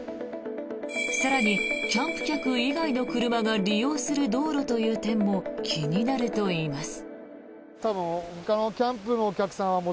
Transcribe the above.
更にキャンプ客以外の車が利用する道路という点も気になるといいます。